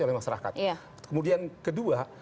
oleh masyarakat kemudian kedua